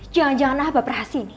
jangan jangan apa praharsinya